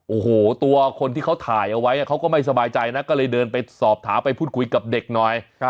โอ้โหตัวคนที่เขาถ่ายเอาไว้เขาก็ไม่สบายใจนะก็เลยเดินไปสอบถามไปพูดคุยกับเด็กหน่อย